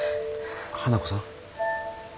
花子さん。